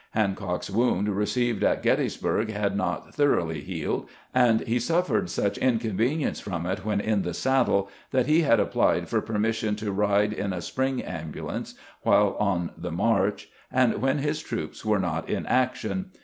Hancock's wound received at Gettysburg had not thoroughly healed, and he suffered such inconvenience from it when in the saddle that he had applied for permission to ride in a spring ambulance while on the march and when his troops were not in action.